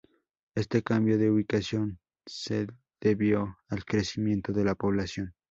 Este cambio de ubicación se debió al crecimiento de la población.